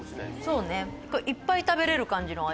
そうねこれいっぱい食べれる感じの味。